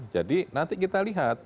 jadi nanti kita lihat